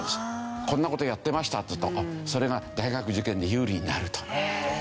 こんな事をやってましたっていうとそれが大学受験で有利になると。